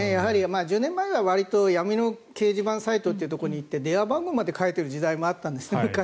１０年前は闇の掲示板サイトというところに行って電話番号まで書いている時代も昔はあったんですね。